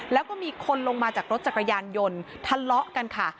แล้วก็มีคนลงมาจากรถจักรยานยนต์ทะเลาะกันค่ะ